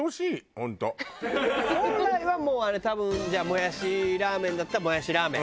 本来はもうあれ多分じゃあもやしラーメンだったらもやしラーメン。